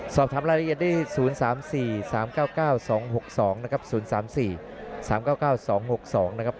สอบถามรายละเอียดได้๐๓๔๓๙๙๒๖๒นะครับ๐๓๔๓๙๙๒๖๒นะครับ